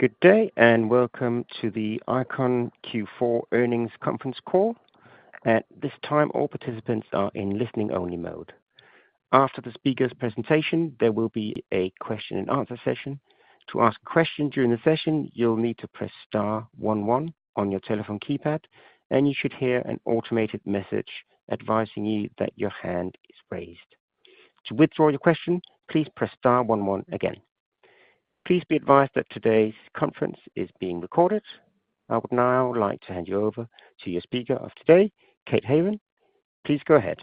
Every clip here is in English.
Good day and welcome to the ICON Q4 earnings conference call. At this time, all participants are in listening-only mode. After the speaker's presentation, there will be a question-and-answer session. To ask a question during the session, you'll need to press star 11 on your telephone keypad, and you should hear an automated message advising you that your hand is raised. To withdraw your question, please press star 11 again. Please be advised that today's conference is being recorded. I would now like to hand you over to your speaker of today, Kate Haven. Please go ahead.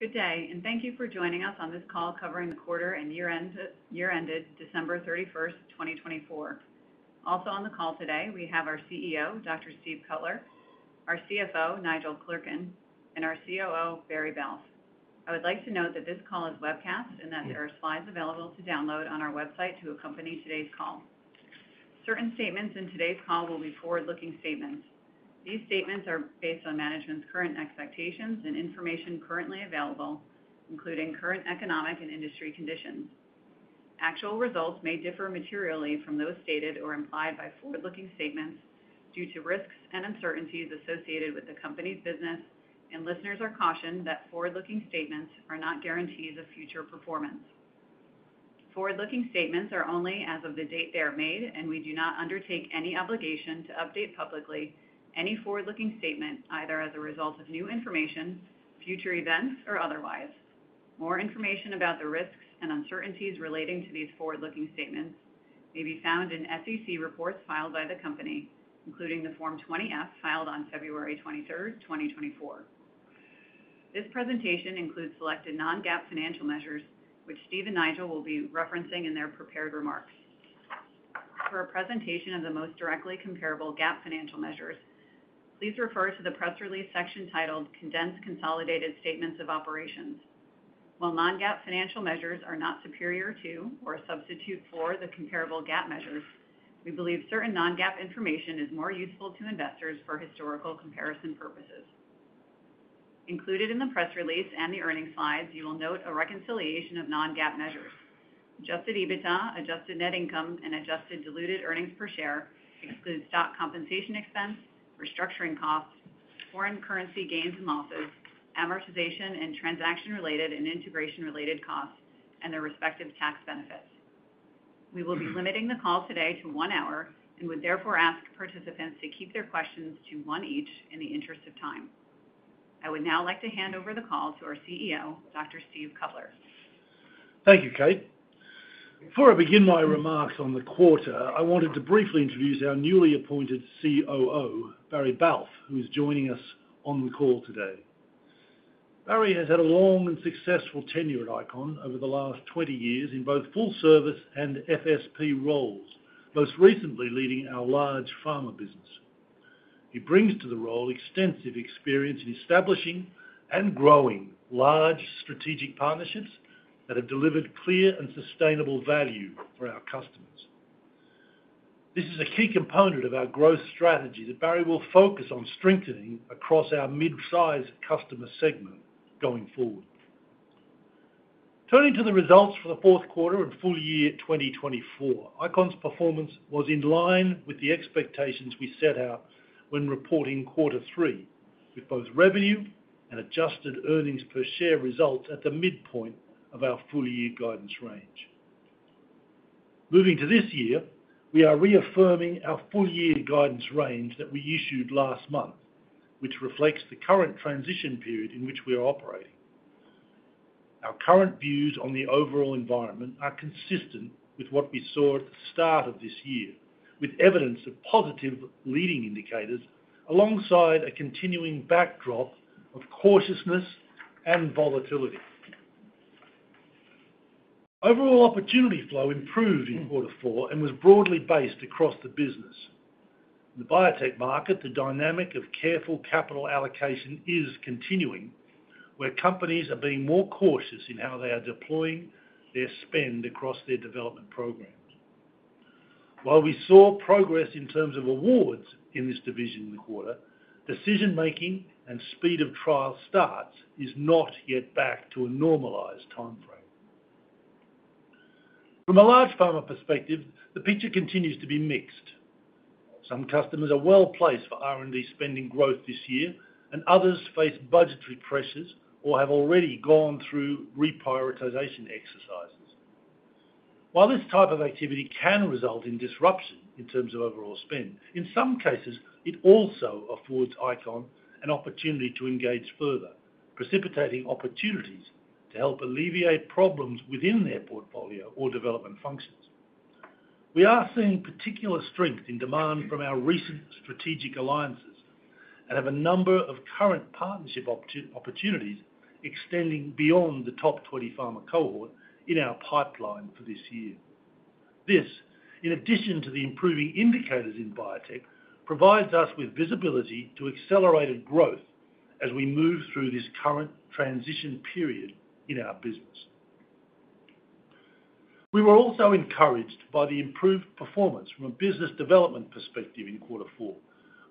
Good day, and thank you for joining us on this call covering the quarter and year-ended December 31st, 2024. Also on the call today, we have our CEO, Dr. Steve Cutler, our CFO, Nigel Clerkin, and our COO, Barry Balfe. I would like to note that this call is webcast and that there are slides available to download on our website to accompany today's call. Certain statements in today's call will be forward-looking statements. These statements are based on management's current expectations and information currently available, including current economic and industry conditions. Actual results may differ materially from those stated or implied by forward-looking statements due to risks and uncertainties associated with the company's business, and listeners are cautioned that forward-looking statements are not guarantees of future performance. Forward-looking statements are only as of the date they are made, and we do not undertake any obligation to update publicly any forward-looking statement either as a result of new information, future events, or otherwise. More information about the risks and uncertainties relating to these forward-looking statements may be found in SEC reports filed by the company, including the Form 20-F filed on February 23rd, 2024. This presentation includes selected non-GAAP financial measures, which Steve and Nigel will be referencing in their prepared remarks. For a presentation of the most directly comparable GAAP financial measures, please refer to the press release section titled "Condensed Consolidated Statements of Operations." While non-GAAP financial measures are not superior to or a substitute for the comparable GAAP measures, we believe certain non-GAAP information is more useful to investors for historical comparison purposes. Included in the press release and the earnings slides, you will note a reconciliation of non-GAAP measures. Adjusted EBITDA, adjusted net income, and adjusted diluted earnings per share exclude stock compensation expense, restructuring costs, foreign currency gains and losses, amortization and transaction-related and integration-related costs, and their respective tax benefits. We will be limiting the call today to one hour and would therefore ask participants to keep their questions to one each in the interest of time. I would now like to hand over the call to our CEO, Dr. Steve Cutler. Thank you, Kate. Before I begin my remarks on the quarter, I wanted to briefly introduce our newly appointed COO, Barry Balfe, who is joining us on the call today. Barry has had a long and successful tenure at ICON over the last 20 years in both full-service and FSP roles, most recently leading our large pharma business. He brings to the role extensive experience in establishing and growing large strategic partnerships that have delivered clear and sustainable value for our customers. This is a key component of our growth strategy that Barry will focus on strengthening across our mid-size customer segment going forward. Turning to the results for the fourth quarter and full year 2024, ICON's performance was in line with the expectations we set out when reporting quarter three, with both revenue and adjusted earnings per share results at the midpoint of our full-year guidance range. Moving to this year, we are reaffirming our full-year guidance range that we issued last month, which reflects the current transition period in which we are operating. Our current views on the overall environment are consistent with what we saw at the start of this year, with evidence of positive leading indicators alongside a continuing backdrop of cautiousness and volatility. Overall opportunity flow improved in quarter four and was broadly based across the business. In the biotech market, the dynamic of careful capital allocation is continuing, where companies are being more cautious in how they are deploying their spend across their development programs. While we saw progress in terms of awards in this division in the quarter, decision-making and speed of trial starts is not yet back to a normalized timeframe. From a large pharma perspective, the picture continues to be mixed. Some customers are well placed for R&D spending growth this year, and others face budgetary pressures or have already gone through reprioritization exercises. While this type of activity can result in disruption in terms of overall spend, in some cases, it also affords ICON an opportunity to engage further, precipitating opportunities to help alleviate problems within their portfolio or development functions. We are seeing particular strength in demand from our recent strategic alliances and have a number of current partnership opportunities extending beyond the top 20 pharma cohort in our pipeline for this year. This, in addition to the improving indicators in biotech, provides us with visibility to accelerated growth as we move through this current transition period in our business. We were also encouraged by the improved performance from a business development perspective in quarter four,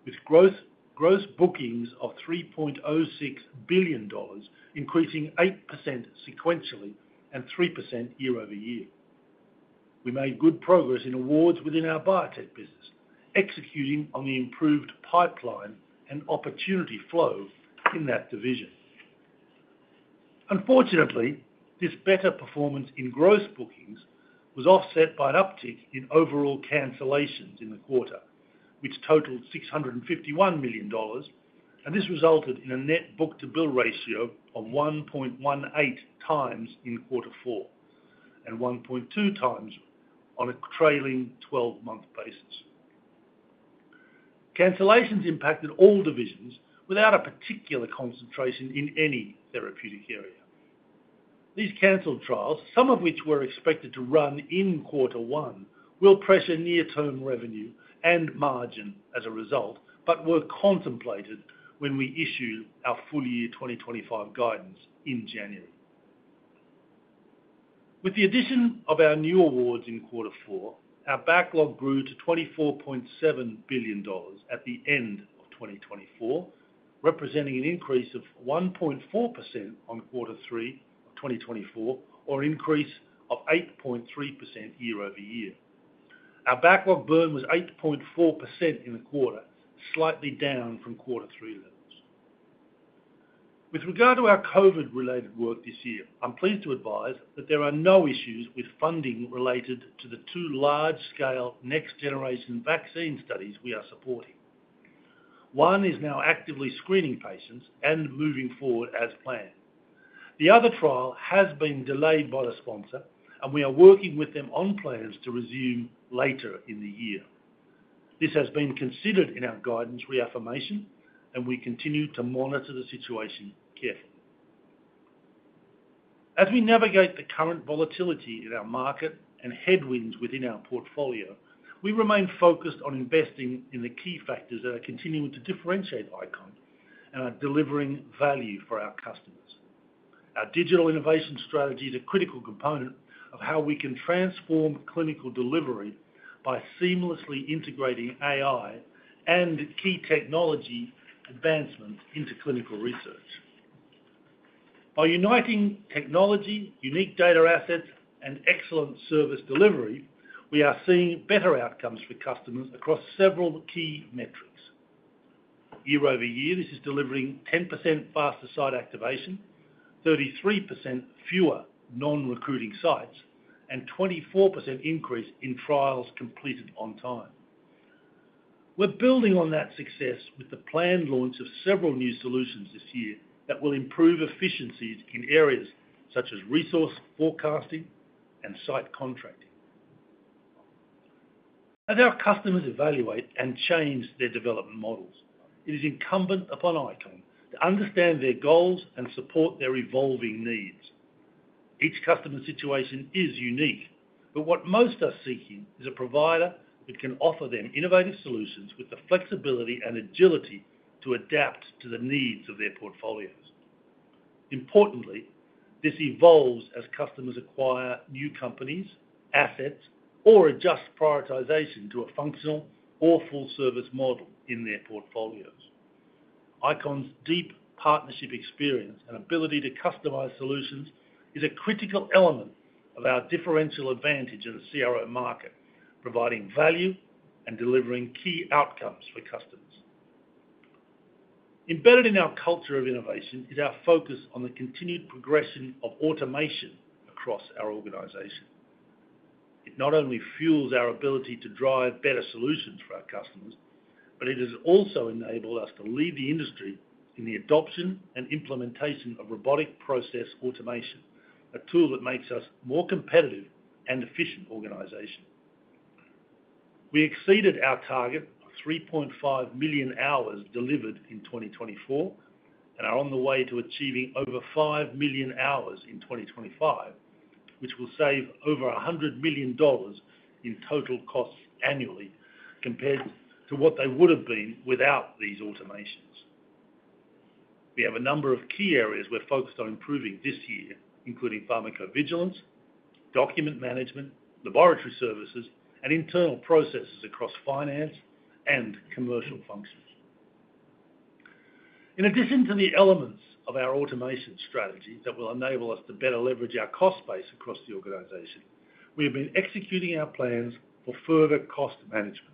with gross bookings of $3.06 billion, increasing 8% sequentially and 3% year-over-year. We made good progress in awards within our biotech business, executing on the improved pipeline and opportunity flow in that division. Unfortunately, this better performance in gross bookings was offset by an uptick in overall cancellations in the quarter, which totaled $651 million, and this resulted in a net book-to-bill ratio of 1.18 times in quarter four and 1.2 times on a trailing 12-month basis. Cancellations impacted all divisions without a particular concentration in any therapeutic area. These canceled trials, some of which were expected to run in quarter one, will pressure near-term revenue and margin as a result, but were contemplated when we issued our full year 2025 guidance in January. With the addition of our new awards in quarter four, our backlog grew to $24.7 billion at the end of 2024, representing an increase of 1.4% on quarter three of 2024, or an increase of 8.3% year-over-year. Our backlog burn was 8.4% in the quarter, slightly down from quarter three levels. With regard to our COVID-related work this year, I'm pleased to advise that there are no issues with funding related to the two large-scale next-generation vaccine studies we are supporting. One is now actively screening patients and moving forward as planned. The other trial has been delayed by the sponsor, and we are working with them on plans to resume later in the year. This has been considered in our guidance reaffirmation, and we continue to monitor the situation carefully. As we navigate the current volatility in our market and headwinds within our portfolio, we remain focused on investing in the key factors that are continuing to differentiate ICON and are delivering value for our customers. Our digital innovation strategy is a critical component of how we can transform clinical delivery by seamlessly integrating AI and key technology advancements into clinical research. By uniting technology, unique data assets, and excellent service delivery, we are seeing better outcomes for customers across several key metrics. Year-over-year, this is delivering 10% faster site activation, 33% fewer non-recruiting sites, and a 24% increase in trials completed on time. We're building on that success with the planned launch of several new solutions this year that will improve efficiencies in areas such as resource forecasting and site contracting. As our customers evaluate and change their development models, it is incumbent upon ICON to understand their goals and support their evolving needs. Each customer situation is unique, but what most are seeking is a provider that can offer them innovative solutions with the flexibility and agility to adapt to the needs of their portfolios. Importantly, this evolves as customers acquire new companies, assets, or adjust prioritization to a functional or full-service model in their portfolios. ICON's deep partnership experience and ability to customize solutions is a critical element of our differential advantage in the CRO market, providing value and delivering key outcomes for customers. Embedded in our culture of innovation is our focus on the continued progression of automation across our organization. It not only fuels our ability to drive better solutions for our customers, but it has also enabled us to lead the industry in the adoption and implementation of robotic process automation, a tool that makes us a more competitive and efficient organization. We exceeded our target of 3.5 million hours delivered in 2024 and are on the way to achieving over 5 million hours in 2025, which will save over $100 million in total costs annually compared to what they would have been without these automations. We have a number of key areas we're focused on improving this year, including pharmacovigilance, document management, laboratory services, and internal processes across finance and commercial functions. In addition to the elements of our automation strategy that will enable us to better leverage our cost base across the organization, we have been executing our plans for further cost management.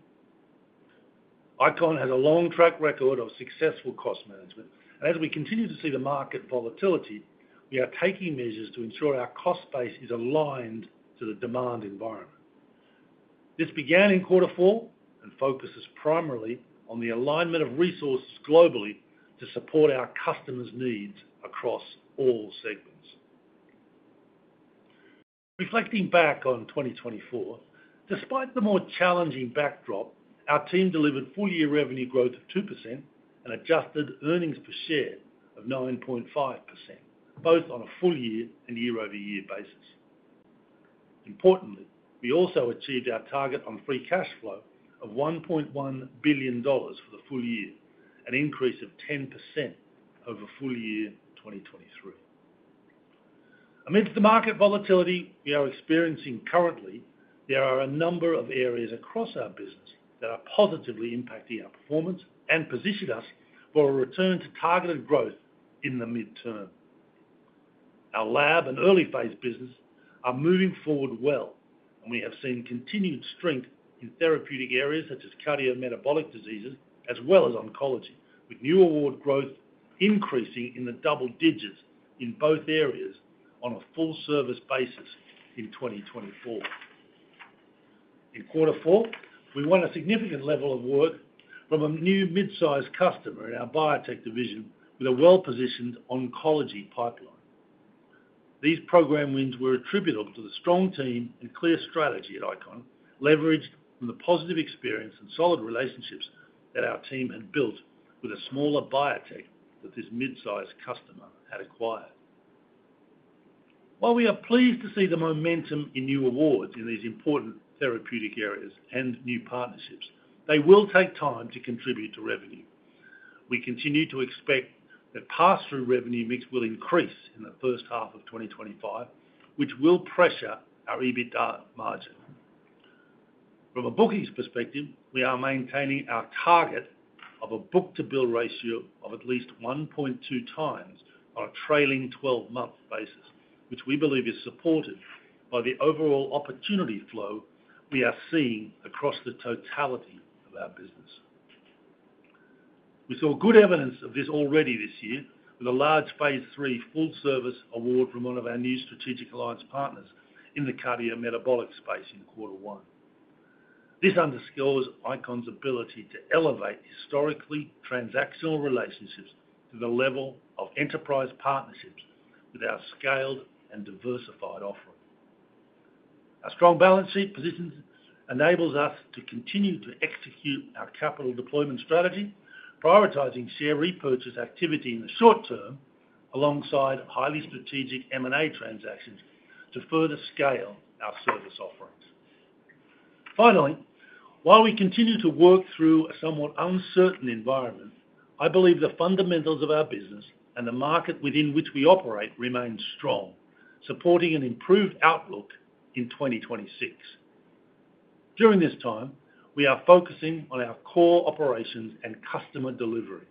ICON has a long track record of successful cost management, and as we continue to see the market volatility, we are taking measures to ensure our cost base is aligned to the demand environment. This began in quarter four and focuses primarily on the alignment of resources globally to support our customers' needs across all segments. Reflecting back on 2024, despite the more challenging backdrop, our team delivered full-year revenue growth of 2% and adjusted earnings per share of 9.5%, both on a full year and year-over-year basis. Importantly, we also achieved our target on free cash flow of $1.1 billion for the full year, an increase of 10% over full year 2023. Amidst the market volatility we are experiencing currently, there are a number of areas across our business that are positively impacting our performance and position us for a return to targeted growth in the midterm. Our lab and early phase business are moving forward well, and we have seen continued strength in therapeutic areas such as cardiometabolic diseases as well as oncology, with new award growth increasing in the double digits in both areas on a full-service basis in 2024. In quarter four, we won a significant level of work from a new mid-size customer in our biotech division with a well-positioned oncology pipeline. These program wins were attributable to the strong team and clear strategy at ICON, leveraged from the positive experience and solid relationships that our team had built with a smaller biotech that this mid-size customer had acquired. While we are pleased to see the momentum in new awards in these important therapeutic areas and new partnerships, they will take time to contribute to revenue. We continue to expect that pass-through revenue mix will increase in the first half of 2025, which will pressure our EBITDA margin. From a bookings perspective, we are maintaining our target of a book-to-bill ratio of at least 1.2 times on a trailing 12-month basis, which we believe is supported by the overall opportunity flow we are seeing across the totality of our business. We saw good evidence of this already this year with a large phase III full-service award from one of our new strategic alliance partners in the cardiometabolic space in quarter one. This underscores ICON's ability to elevate historically transactional relationships to the level of enterprise partnerships with our scaled and diversified offering. Our strong balance sheet positions enable us to continue to execute our capital deployment strategy, prioritizing share repurchase activity in the short term alongside highly strategic M&A transactions to further scale our service offerings. Finally, while we continue to work through a somewhat uncertain environment, I believe the fundamentals of our business and the market within which we operate remain strong, supporting an improved outlook in 2026. During this time, we are focusing on our core operations and customer delivery,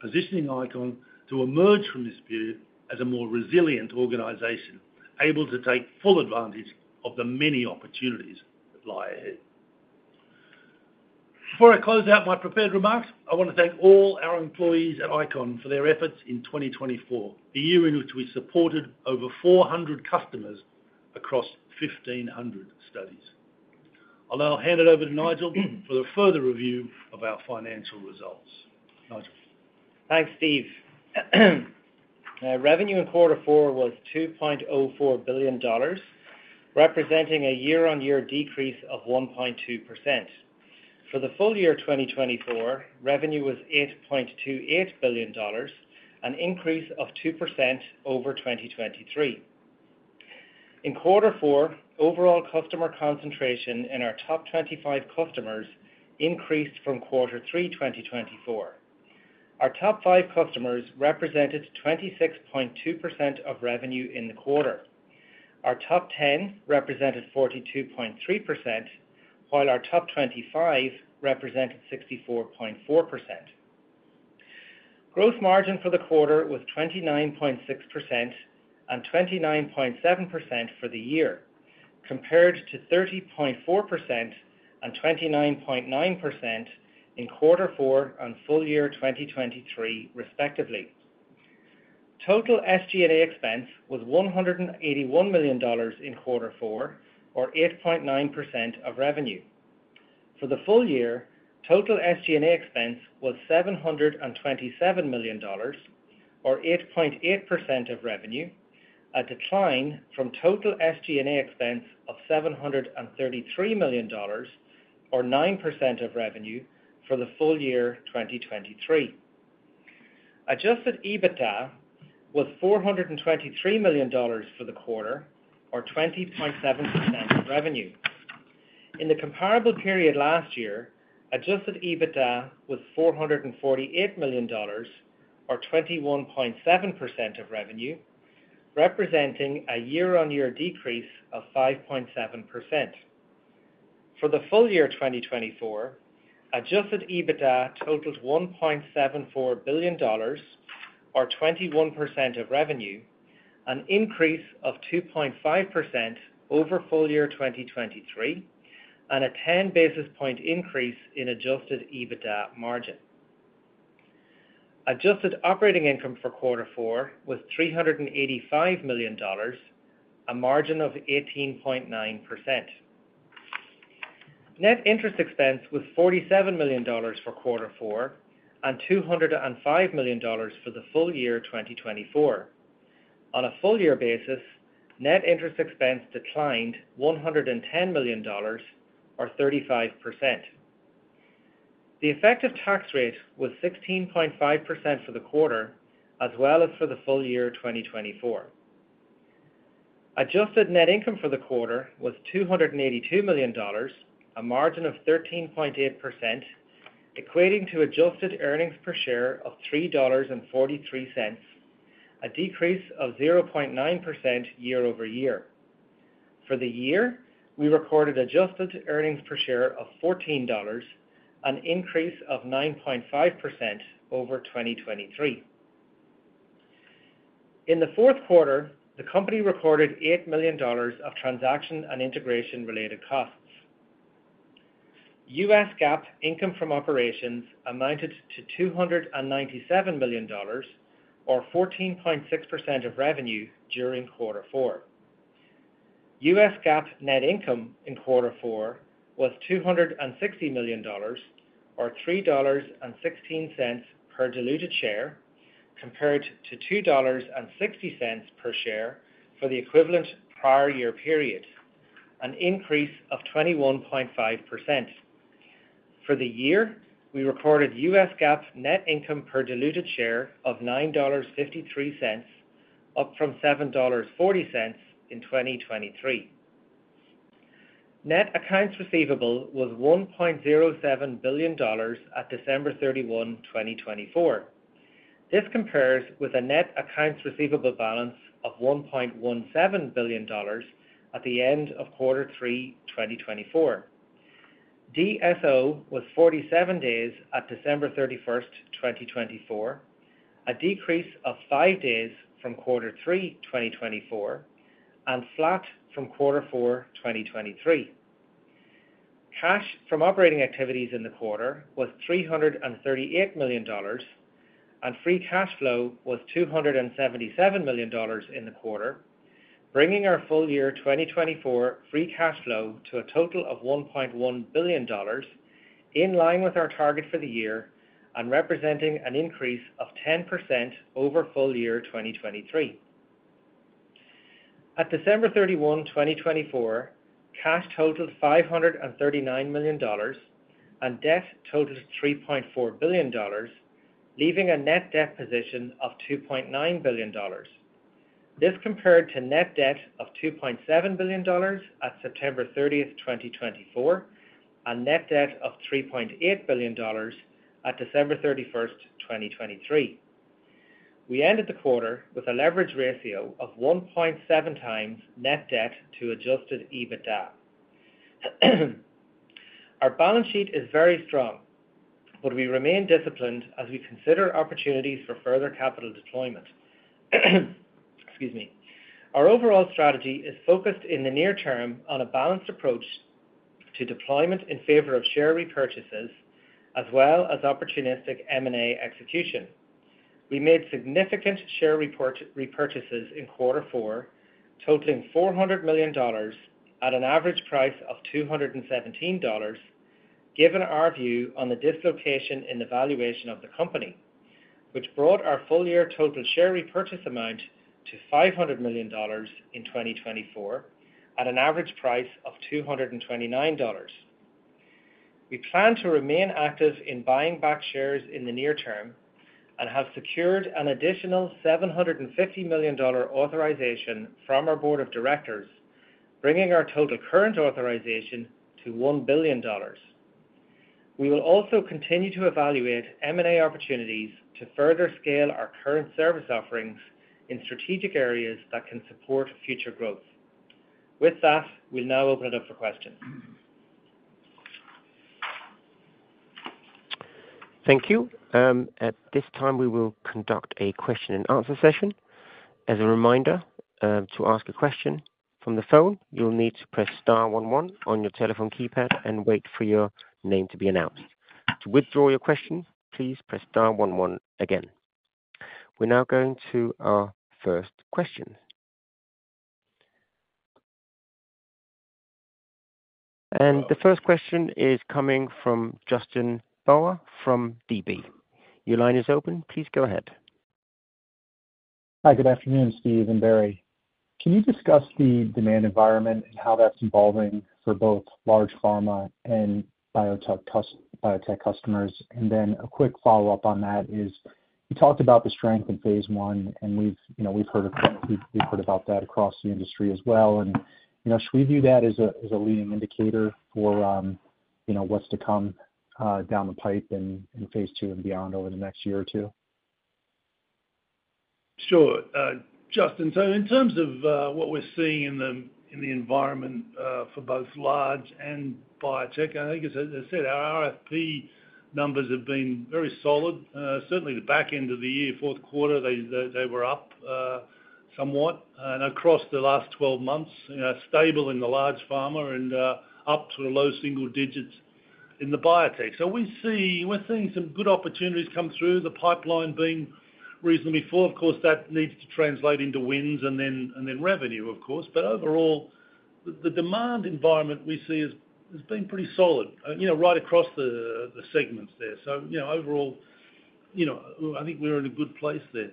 positioning ICON to emerge from this period as a more resilient organization able to take full advantage of the many opportunities that lie ahead. Before I close out my prepared remarks, I want to thank all our employees at ICON for their efforts in 2024, the year in which we supported over 400 customers across 1,500 studies. I'll now hand it over to Nigel for the further review of our financial results. Nigel. Thanks, Steve. Revenue in quarter four was $2.04 billion, representing a year-on-year decrease of 1.2%. For the full year 2024, revenue was $8.28 billion, an increase of 2% over 2023. In quarter four, overall customer concentration in our top 25 customers increased from quarter three 2024. Our top five customers represented 26.2% of revenue in the quarter. Our top 10 represented 42.3%, while our top 25 represented 64.4%. Gross margin for the quarter was 29.6% and 29.7% for the year, compared to 30.4% and 29.9% in quarter four and full year 2023, respectively. Total SG&A expense was $181 million in quarter four, or 8.9% of revenue. For the full year, total SG&A expense was $727 million, or 8.8% of revenue, a decline from total SG&A expense of $733 million, or 9% of revenue for the full year 2023. Adjusted EBITDA was $423 million for the quarter, or 20.7% of revenue. In the comparable period last year, adjusted EBITDA was $448 million, or 21.7% of revenue, representing a year-on-year decrease of 5.7%. For the full year 2024, adjusted EBITDA totaled $1.74 billion, or 21% of revenue, an increase of 2.5% over full year 2023, and a 10 basis point increase in adjusted EBITDA margin. Adjusted operating income for quarter four was $385 million, a margin of 18.9%. Net interest expense was $47 million for quarter four and $205 million for the full year 2024. On a full year basis, net interest expense declined $110 million, or 35%. The effective tax rate was 16.5% for the quarter, as well as for the full year 2024. Adjusted net income for the quarter was $282 million, a margin of 13.8%, equating to adjusted earnings per share of $3.43, a decrease of 0.9% year-over-year. For the year, we recorded adjusted earnings per share of $14, an increase of 9.5% over 2023. In the fourth quarter, the company recorded $8 million of transaction and integration-related costs. U.S. GAAP income from operations amounted to $297 million, or 14.6% of revenue during quarter four. U.S. GAAP net income in quarter four was $260 million, or $3.16 per diluted share, compared to $2.60 per share for the equivalent prior year period, an increase of 21.5%. For the year, we recorded U.S. GAAP net income per diluted share of $9.53, up from $7.40 in 2023. Net accounts receivable was $1.07 billion at December 31, 2024. This compares with a net accounts receivable balance of $1.17 billion at the end of quarter three 2024. DSO was 47 days at December 31, 2024, a decrease of five days from quarter three 2024, and flat from quarter four 2023. Cash from operating activities in the quarter was $338 million, and free cash flow was $277 million in the quarter, bringing our full year 2024 free cash flow to a total of $1.1 billion, in line with our target for the year and representing an increase of 10% over full year 2023. At December 31, 2024, cash totaled $539 million, and debt totaled $3.4 billion, leaving a net debt position of $2.9 billion. This compared to net debt of $2.7 billion at September 30, 2024, and net debt of $3.8 billion at December 31, 2023. We ended the quarter with a leverage ratio of 1.7 times net debt to Adjusted EBITDA. Our balance sheet is very strong, but we remain disciplined as we consider opportunities for further capital deployment. Excuse me. Our overall strategy is focused in the near term on a balanced approach to deployment in favor of share repurchases, as well as opportunistic M&A execution. We made significant share repurchases in quarter four, totaling $400 million at an average price of $217, given our view on the dislocation in the valuation of the company, which brought our full year total share repurchase amount to $500 million in 2024 at an average price of $229. We plan to remain active in buying back shares in the near term and have secured an additional $750 million authorization from our board of directors, bringing our total current authorization to $1 billion. We will also continue to evaluate M&A opportunities to further scale our current service offerings in strategic areas that can support future growth. With that, we'll now open it up for questions. Thank you. At this time, we will conduct a question-and-answer session. As a reminder, to ask a question from the phone, you'll need to press star 11 on your telephone keypad and wait for your name to be announced. To withdraw your question, please press star 11 again. We're now going to our first question, and the first question is coming from Justin Bowers from DB. Your line is open. Please go ahead. Hi, good afternoon, Steve and Barry. Can you discuss the demand environment and how that's evolving for both large pharma and biotech customers? And then a quick follow-up on that is you talked about the strength in phase I, and we've heard about that across the industry as well. And should we view that as a leading indicator for what's to come down the pipe in phase II and beyond over the next year or two? Sure, Justin. So in terms of what we're seeing in the environment for both large and biotech, I think, as I said, our RFP numbers have been very solid. Certainly, the back end of the year, fourth quarter, they were up somewhat, and across the last 12 months, stable in the large pharma and up to the low single digits in the biotech, so we're seeing some good opportunities come through, the pipeline being reasonably full. Of course, that needs to translate into wins and then revenue, of course, but overall, the demand environment we see has been pretty solid right across the segments there, so overall, I think we're in a good place there.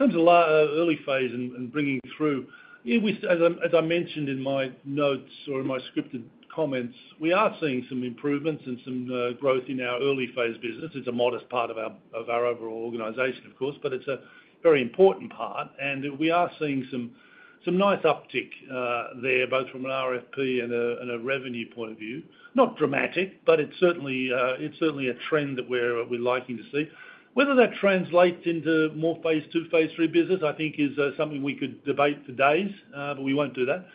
In terms of early phase and bringing through, as I mentioned in my notes or in my scripted comments, we are seeing some improvements and some growth in our early phase business. It's a modest part of our overall organization, of course, but it's a very important part, and we are seeing some nice uptick there, both from an RFP and a revenue point of view. Not dramatic, but it's certainly a trend that we're liking to see. Whether that translates into more phase II, phase III business, I think, is something we could debate for days, but we won't do that.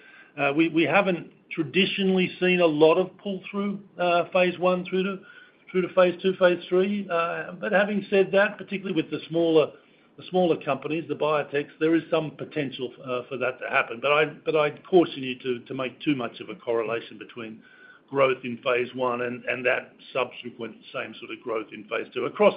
We haven't traditionally seen a lot of pull-through phase I through to phase II, phase III, but having said that, particularly with the smaller companies, the biotechs, there is some potential for that to happen, but I'd caution you to make too much of a correlation between growth in phase I and that subsequent same sort of growth in phase II. Across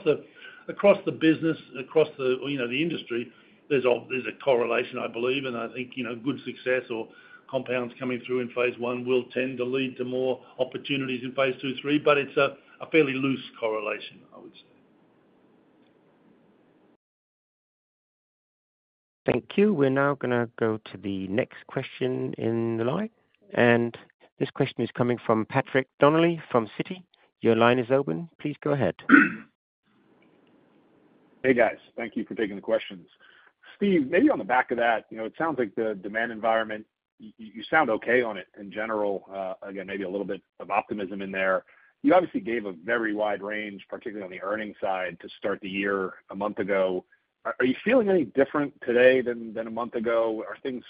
the business, across the industry, there's a correlation, I believe. I think good success or compounds coming through in phase I will tend to lead to more opportunities in phase II, III. It's a fairly loose correlation, I would say. Thank you. We're now going to go to the next question in the line. And this question is coming from Patrick Donnelly from Citi. Your line is open. Please go ahead. Hey, guys. Thank you for taking the questions. Steve, maybe on the back of that, it sounds like the demand environment. You sound okay on it in general. Again, maybe a little bit of optimism in there. You obviously gave a very wide range, particularly on the earnings side, to start the year a month ago. Are you feeling any different today than a month ago? Are things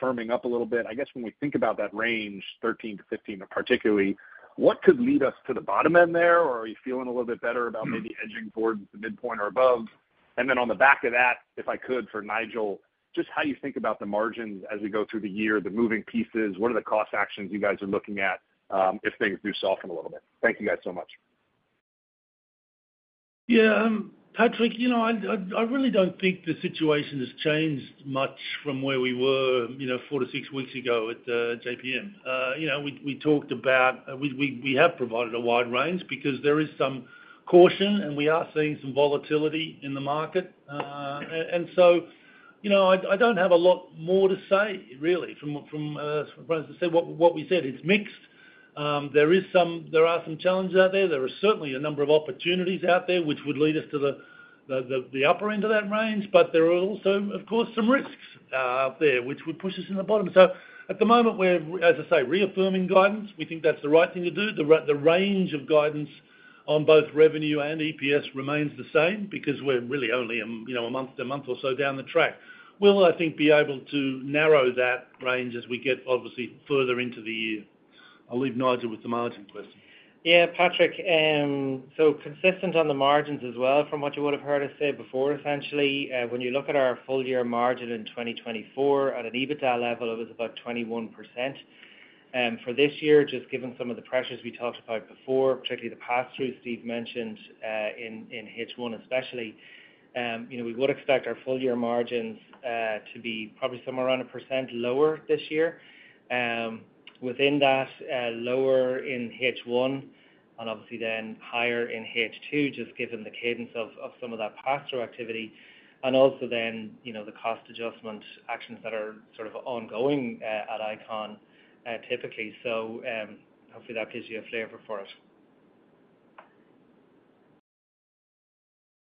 firming up a little bit? I guess when we think about that range, 13-15 particularly, what could lead us to the bottom end there? Or are you feeling a little bit better about maybe edging towards the midpoint or above? And then on the back of that, if I could, for Nigel, just how you think about the margins as we go through the year, the moving pieces, what are the cost actions you guys are looking at if things do soften a little bit? Thank you guys so much. Yeah, Patrick, I really don't think the situation has changed much from where we were four to six weeks ago at JPM. We talked about we have provided a wide range because there is some caution, and we are seeing some volatility in the market, and so I don't have a lot more to say, really, from what we said. It's mixed. There are some challenges out there. There are certainly a number of opportunities out there which would lead us to the upper end of that range, but there are also, of course, some risks out there which would push us in the bottom, so at the moment, we're, as I say, reaffirming guidance. We think that's the right thing to do. The range of guidance on both revenue and EPS remains the same because we're really only a month or so down the track. We'll, I think, be able to narrow that range as we get, obviously, further into the year. I'll leave Nigel with the margin question. Yeah, Patrick, so consistent on the margins as well, from what you would have heard us say before, essentially, when you look at our full year margin in 2024, at an EBITDA level, it was about 21%. For this year, just given some of the pressures we talked about before, particularly the pass-through Steve mentioned in H1, especially, we would expect our full year margins to be probably somewhere around 1% lower this year. Within that, lower in H1, and obviously then higher in H2, just given the cadence of some of that pass-through activity. And also then the cost adjustment actions that are sort of ongoing at ICON, typically. So hopefully that gives you a flavor for it.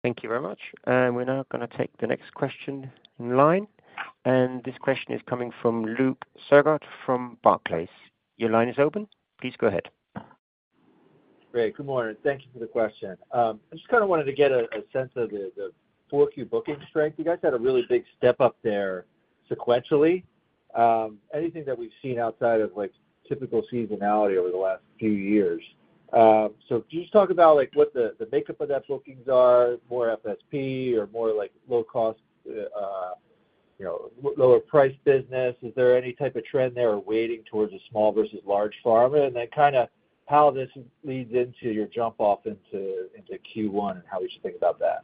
Thank you very much. And we're now going to take the next question in line. And this question is coming from Luke Sergott from Barclays. Your line is open. Please go ahead. Great. Good morning. Thank you for the question. I just kind of wanted to get a sense of the Q4 booking strength. You guys had a really big step up there sequentially. Anything that we've seen outside of typical seasonality over the last few years? So could you just talk about what the makeup of that bookings are, more FSP or more low-cost, lower-priced business? Is there any type of trend there weighting towards a small versus large pharma? And then kind of how this leads into your jump-off into Q1 and how we should think about that?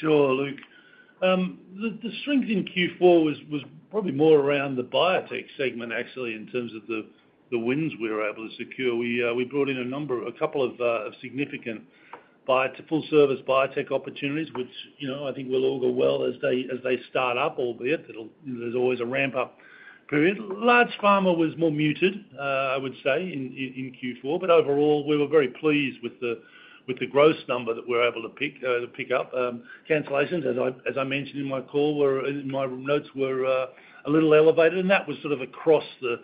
Sure, Luke. The strength in Q4 was probably more around the biotech segment, actually, in terms of the wins we were able to secure. We brought in a couple of significant full-service biotech opportunities, which I think will all go well as they start up, albeit. There's always a ramp-up period. Large pharma was more muted, I would say, in Q4. But overall, we were very pleased with the gross number that we were able to pick up. Cancellations, as I mentioned in my call, my notes were a little elevated. And that was sort of across the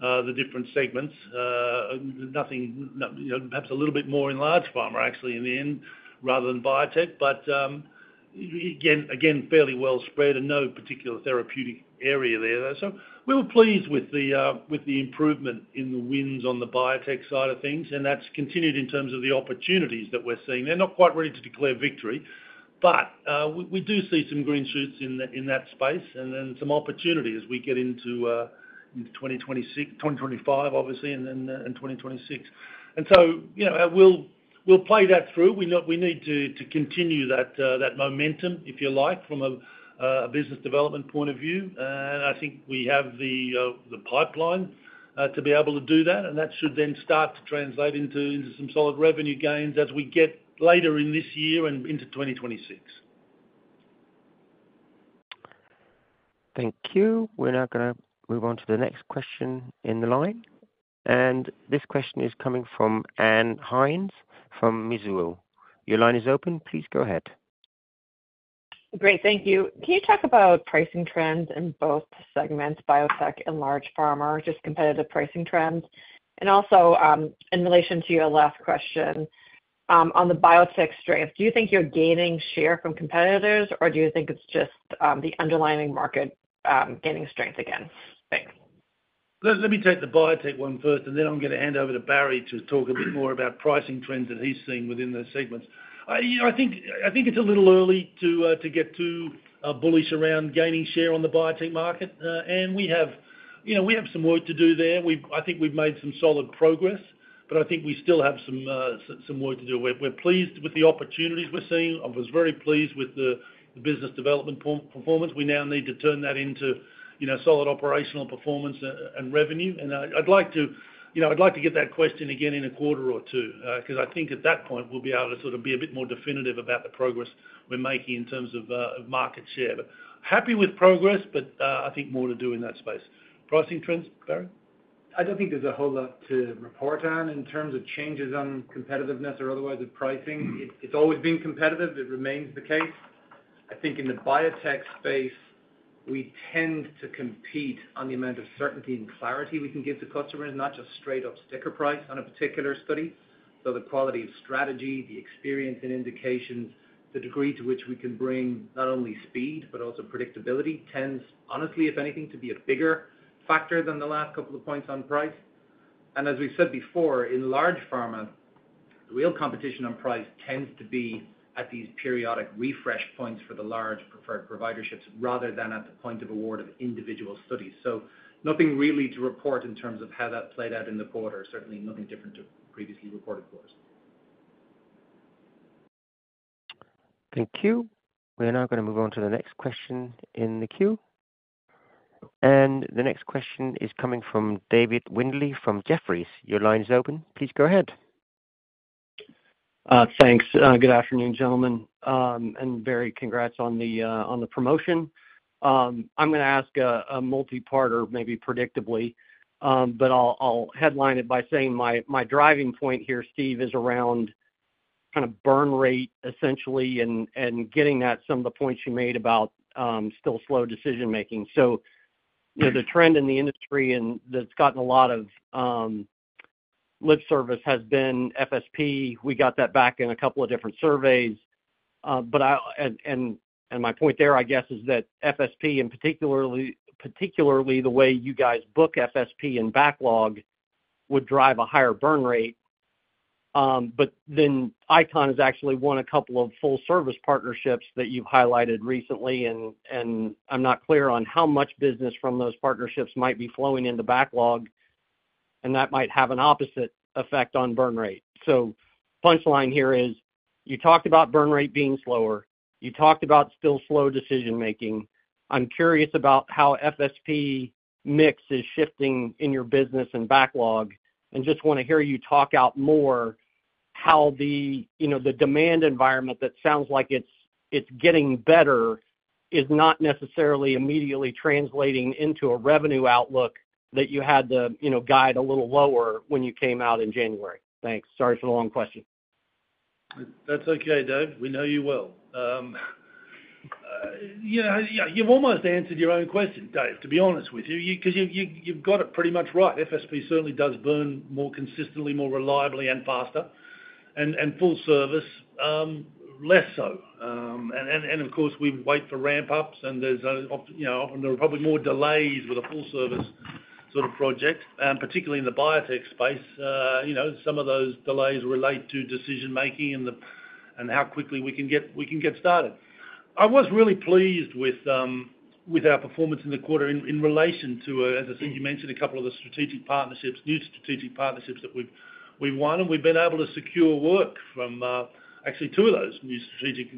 different segments. Perhaps a little bit more in large pharma, actually, in the end, rather than biotech. But again, fairly well spread and no particular therapeutic area there. So we were pleased with the improvement in the wins on the biotech side of things. That's continued in terms of the opportunities that we're seeing. They're not quite ready to declare victory, but we do see some green shoots in that space and then some opportunity as we get into 2025, obviously, and 2026. So we'll play that through. We need to continue that momentum, if you like, from a business development point of view. I think we have the pipeline to be able to do that. That should then start to translate into some solid revenue gains as we get later in this year and into 2026. Thank you. We're now going to move on to the next question in the line. And this question is coming from Ann Hynes from Mizuho. Your line is open. Please go ahead. Great. Thank you. Can you talk about pricing trends in both segments, biotech and large pharma, just competitive pricing trends? And also in relation to your last question, on the biotech strength, do you think you're gaining share from competitors, or do you think it's just the underlying market gaining strength again? Thanks. Let me take the biotech one first, and then I'm going to hand over to Barry to talk a bit more about pricing trends that he's seen within those segments. I think it's a little early to get too bullish around gaining share on the biotech market, and we have some work to do there. I think we've made some solid progress, but I think we still have some work to do. We're pleased with the opportunities we're seeing. I was very pleased with the business development performance. We now need to turn that into solid operational performance and revenue, and I'd like to get that question again in a quarter or two because I think at that point, we'll be able to sort of be a bit more definitive about the progress we're making in terms of market share. But happy with progress, but I think more to do in that space. Pricing trends, Barry? I don't think there's a whole lot to report on in terms of changes on competitiveness or otherwise of pricing. It's always been competitive. It remains the case. I think in the biotech space, we tend to compete on the amount of certainty and clarity we can give to customers, not just straight-up sticker price on a particular study. So the quality of strategy, the experience and indications, the degree to which we can bring not only speed, but also predictability tends, honestly, if anything, to be a bigger factor than the last couple of points on price, and as we've said before, in large pharma, the real competition on price tends to be at these periodic refresh points for the large preferred providerships rather than at the point of award of individual studies. So nothing really to report in terms of how that played out in the quarter, certainly nothing different to previously reported quarters. Thank you. We're now going to move on to the next question in the queue. And the next question is coming from David Windley from Jefferies. Your line is open. Please go ahead. Thanks. Good afternoon, gentlemen, and very congrats on the promotion. I'm going to ask a multi-part, or maybe predictably, but I'll headline it by saying my driving point here, Steve, is around kind of burn rate, essentially, and getting at some of the points you made about still slow decision-making, so the trend in the industry that's gotten a lot of lip service has been FSP. We got that back in a couple of different surveys, and my point there, I guess, is that FSP, and particularly the way you guys book FSP and backlog, would drive a higher burn rate, but then ICON has actually won a couple of full-service partnerships that you've highlighted recently, and I'm not clear on how much business from those partnerships might be flowing into backlog, and that might have an opposite effect on burn rate. So punchline here is you talked about burn rate being slower. You talked about still slow decision-making. I'm curious about how FSP mix is shifting in your business and backlog. And just want to hear you talk out more how the demand environment that sounds like it's getting better is not necessarily immediately translating into a revenue outlook that you had to guide a little lower when you came out in January. Thanks. Sorry for the long question. That's okay, Dave. We know you well. You've almost answered your own question, Dave, to be honest with you, because you've got it pretty much right. FSP certainly does burn more consistently, more reliably, and faster. And full service, less so. And of course, we wait for ramp-ups, and there are probably more delays with a full-service sort of project, particularly in the biotech space. Some of those delays relate to decision-making and how quickly we can get started. I was really pleased with our performance in the quarter in relation to, as I said, you mentioned, a couple of the new strategic partnerships that we've won. And we've been able to secure work from actually two of those new strategic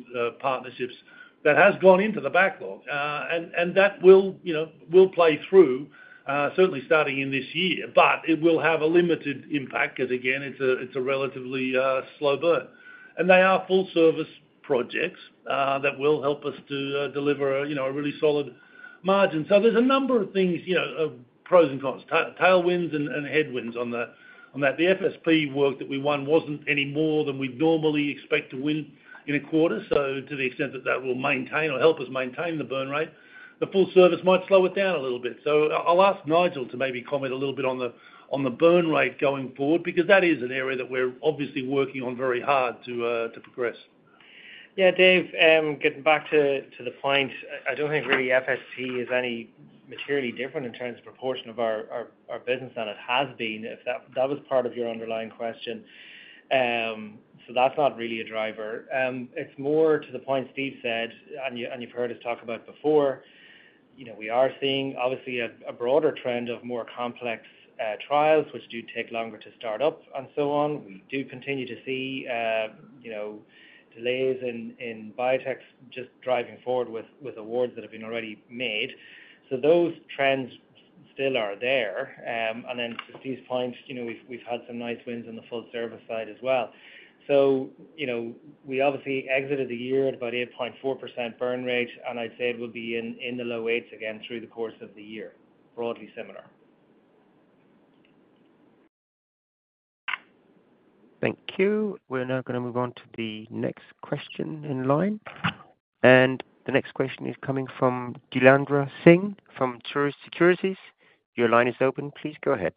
partnerships that has gone into the backlog. And that will play through, certainly starting in this year. But it will have a limited impact because, again, it's a relatively slow burn. And they are full-service projects that will help us to deliver a really solid margin. So there's a number of things, pros and cons, tailwinds and headwinds on that. The FSP work that we won wasn't any more than we'd normally expect to win in a quarter. So to the extent that that will maintain or help us maintain the burn rate, the full service might slow it down a little bit. So I'll ask Nigel to maybe comment a little bit on the burn rate going forward because that is an area that we're obviously working on very hard to progress. Yeah, Dave, getting back to the point, I don't think really FSP is any materially different in terms of proportion of our business than it has been, if that was part of your underlying question. So that's not really a driver. It's more to the point Steve said, and you've heard us talk about before. We are seeing, obviously, a broader trend of more complex trials, which do take longer to start up and so on. We do continue to see delays in biotechs just driving forward with awards that have been already made. So those trends still are there. And then to Steve's point, we've had some nice wins on the full-service side as well. So we obviously exited the year at about 8.4% burn rate, and I'd say it will be in the low 8s again through the course of the year, broadly similar. Thank you. We're now going to move on to the next question in line. And the next question is coming from Jailendra Singh from Truist Securities. Your line is open. Please go ahead.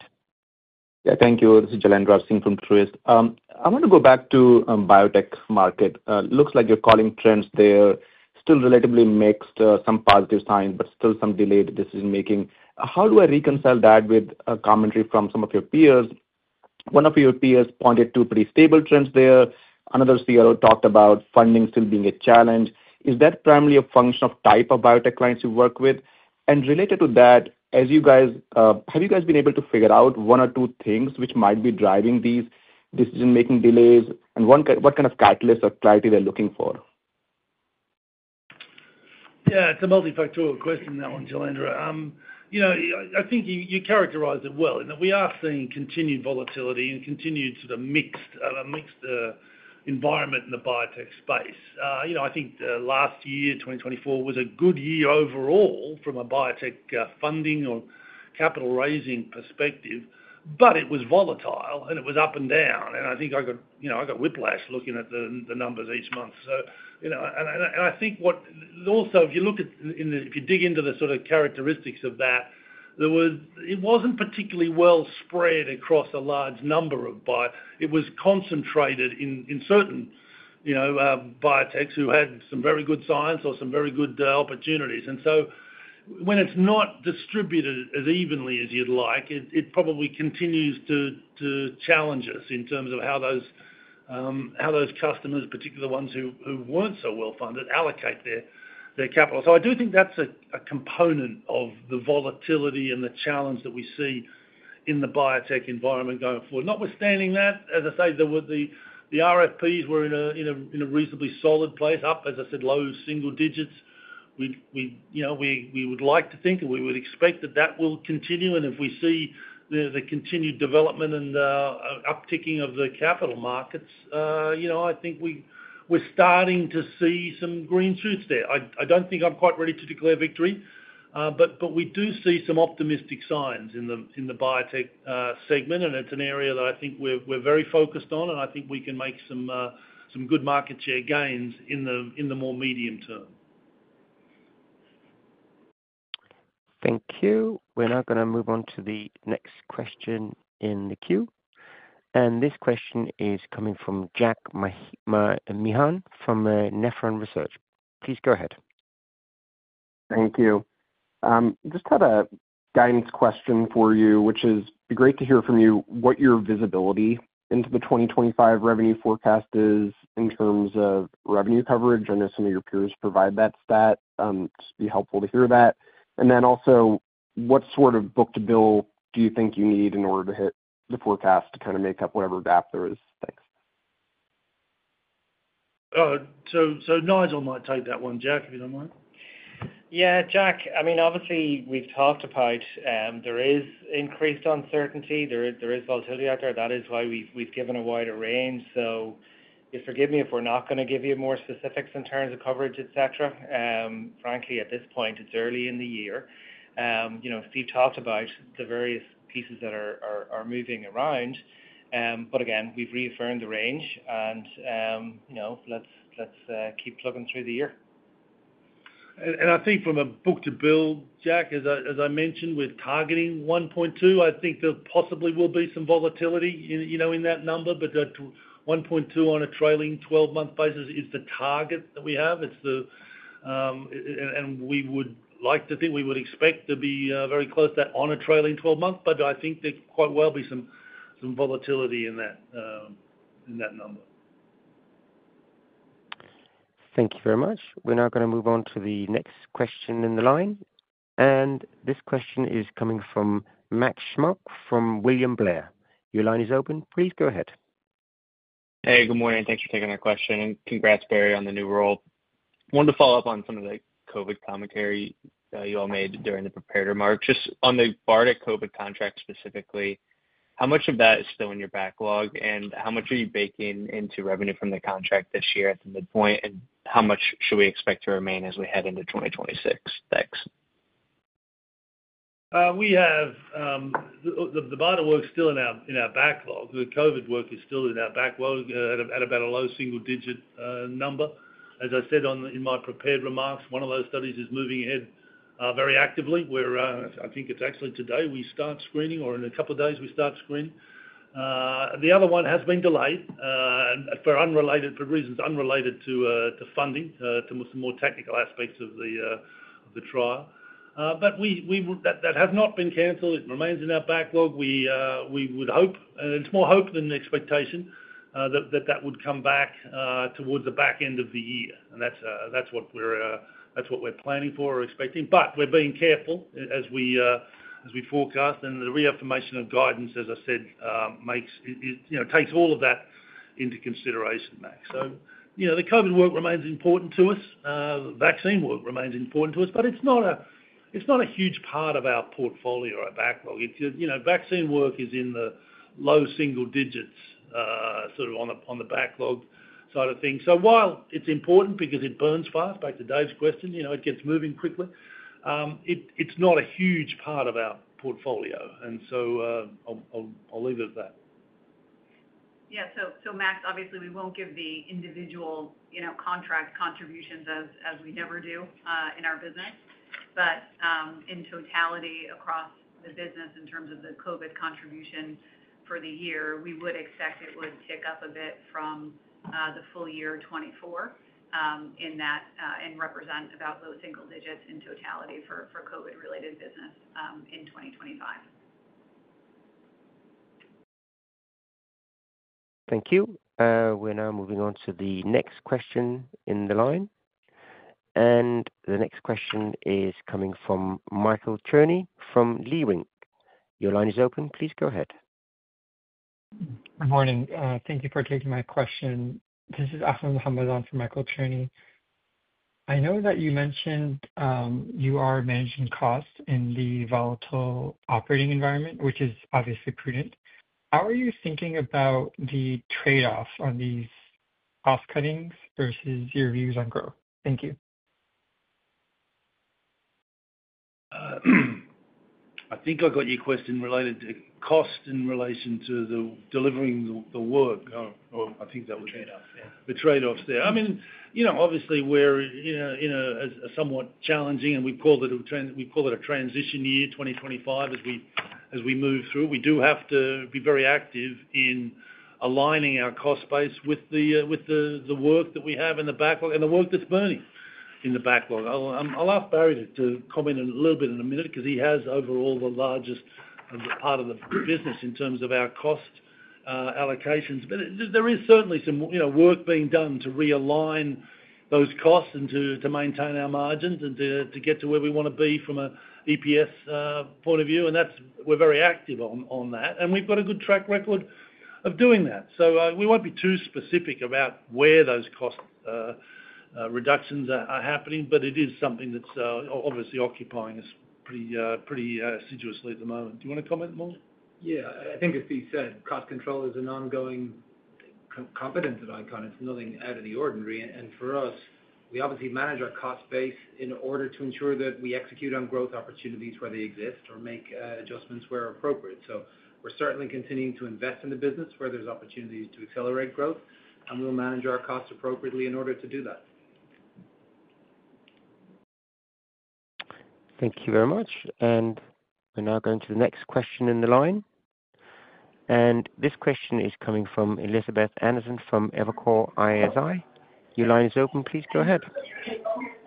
Yeah, thank you. This is Jailendra Singh from Truist. I want to go back to biotech market. Looks like you're calling trends there. Still relatively mixed, some positive signs, but still some delayed decision-making. How do I reconcile that with commentary from some of your peers? One of your peers pointed to pretty stable trends there. Another CRO talked about funding still being a challenge. Is that primarily a function of type of biotech clients you work with? And related to that, have you guys been able to figure out one or two things which might be driving these decision-making delays? And what kind of catalysts or clarity they're looking for? Yeah, it's a multifactorial question, that one, Jailendra. I think you characterized it well. We are seeing continued volatility and continued sort of mixed environment in the biotech space. I think last year, 2024, was a good year overall from a biotech funding or capital raising perspective, but it was volatile and it was up and down. And I think I got whiplash looking at the numbers each month. And I think what also, if you look at, if you dig into the sort of characteristics of that, it wasn't particularly well spread across a large number of biotechs. It was concentrated in certain biotechs who had some very good science or some very good opportunities. And so when it's not distributed as evenly as you'd like, it probably continues to challenge us in terms of how those customers, particularly the ones who weren't so well funded, allocate their capital. So I do think that's a component of the volatility and the challenge that we see in the biotech environment going forward. Notwithstanding that, as I say, the RFPs were in a reasonably solid place, up, as I said, low single digits. We would like to think and we would expect that that will continue. And if we see the continued development and upticking of the capital markets, I think we're starting to see some green shoots there. I don't think I'm quite ready to declare victory, but we do see some optimistic signs in the biotech segment. And it's an area that I think we're very focused on, and I think we can make some good market share gains in the more medium term. Thank you. We're now going to move on to the next question in the queue. And this question is coming from Jack Meehan from Nephron Research. Please go ahead. Thank you. Just had a guidance question for you, which is great to hear from you what your visibility into the 2025 revenue forecast is in terms of revenue coverage. I know some of your peers provide that stat. It'd be helpful to hear that. And then also, what sort of book-to-bill do you think you need in order to hit the forecast to kind of make up whatever gap there is? Thanks. So Nigel might take that one, Jack, if you don't mind. Yeah, Jack, I mean, obviously, we've talked about there is increased uncertainty. There is volatility out there. That is why we've given a wider range. So just forgive me if we're not going to give you more specifics in terms of coverage, etc. Frankly, at this point, it's early in the year. Steve talked about the various pieces that are moving around. But again, we've reaffirmed the range, and let's keep plugging through the year. I think from a book-to-bill, Jack, as I mentioned, we're targeting 1.2. I think there possibly will be some volatility in that number, but 1.2 on a trailing 12-month basis is the target that we have, and we would like to think we would expect to be very close to that on a trailing 12-month, but I think there could well be some volatility in that number. Thank you very much. We're now going to move on to the next question in the line. And this question is coming from Max Smock from William Blair. Your line is open. Please go ahead. Hey, good morning. Thanks for taking my question. And congrats, Barry, on the new role. Wanted to follow up on some of the COVID commentary you all made during the prepared remarks. Just on the BARDA COVID contract specifically, how much of that is still in your backlog, and how much are you baking into revenue from the contract this year at the midpoint, and how much should we expect to remain as we head into 2026? Thanks. We have the BARDA work still in our backlog. The COVID work is still in our backlog at about a low single-digit number. As I said in my prepared remarks, one of those studies is moving ahead very actively. I think it's actually today we start screening, or in a couple of days we start screening. The other one has been delayed for reasons unrelated to funding, to some more technical aspects of the trial. But that has not been canceled. It remains in our backlog. We would hope, and it's more hope than expectation, that that would come back towards the back end of the year, and that's what we're planning for or expecting, but we're being careful as we forecast, and the reaffirmation of guidance, as I said, takes all of that into consideration, Max, so the COVID work remains important to us. Vaccine work remains important to us, but it's not a huge part of our portfolio or our backlog. Vaccine work is in the low single digits sort of on the backlog side of things. So while it's important because it burns fast, back to Dave's question, it gets moving quickly, it's not a huge part of our portfolio. And so I'll leave it at that. Yeah. So Max, obviously, we won't give the individual contract contributions as we never do in our business. But in totality, across the business in terms of the COVID contribution for the year, we would expect it would tick up a bit from the full year 2024 in that and represent about low single digits in totality for COVID-related business in 2025. Thank you. We're now moving on to the next question in the line. And the next question is coming from Michael Cherney from Leerink. Your line is open. Please go ahead. Good morning. Thank you for taking my question. This is Aslan Gamaza from Michael Cherney. I know that you mentioned you are managing costs in the volatile operating environment, which is obviously prudent. How are you thinking about the trade-off on these cost cuttings versus your views on growth? Thank you. I think I got your question related to cost in relation to delivering the work. I think that would be the trade-offs there. I mean, obviously, we're in a somewhat challenging, and we call it a transition year, 2025, as we move through. We do have to be very active in aligning our cost base with the work that we have in the backlog and the work that's burning in the backlog. I'll ask Barry to comment a little bit in a minute because he has overall the largest part of the business in terms of our cost allocations. But there is certainly some work being done to realign those costs and to maintain our margins and to get to where we want to be from an EPS point of view, and we're very active on that, and we've got a good track record of doing that. So we won't be too specific about where those cost reductions are happening, but it is something that's obviously occupying us pretty assiduously at the moment. Do you want to comment more? Yeah. I think, as Steve said, cost control is an ongoing competence of ICON. It's nothing out of the ordinary. And for us, we obviously manage our cost base in order to ensure that we execute on growth opportunities where they exist or make adjustments where appropriate. So we're certainly continuing to invest in the business where there's opportunities to accelerate growth, and we'll manage our costs appropriately in order to do that. Thank you very much, and we're now going to the next question in the line, and this question is coming from Elizabeth Anderson from Evercore ISI. Your line is open. Please go ahead.